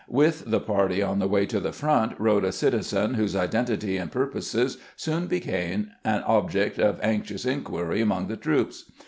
"With the party on the way to the front rode a citizen whose identity and purposes soon became an object of anxious inquiry among the troops.